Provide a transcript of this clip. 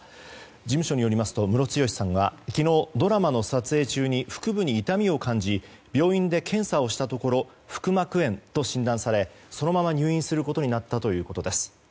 事務所によりますとムロツヨシさんは昨日ドラマの撮影中に腹部に痛みを感じ病院で検査をしたところ腹膜炎と診断されそのまま入院することになったということです。